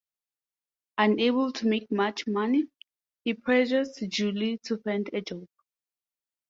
Unable to make much money, he pressures Julie to find a job.